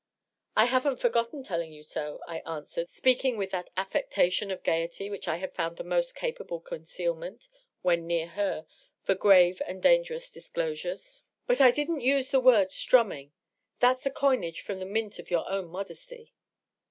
" I haven't forgotten telling you so," I answered, speaking with that aflPectation of gayety which I had found the most capable concealment, when near her, for grave and dangerous disclosures. " But I didn't DOUGLAS DUANE. 585 use the word ' strummmg ;' that's a coinage from the mint of jour own modesty."